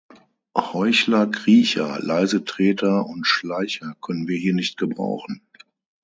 Heuchler, Kriecher, Leisetreter und Schleicher können wir hier nicht gebrauchen.